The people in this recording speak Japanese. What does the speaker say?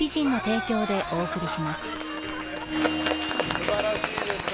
素晴らしいですね。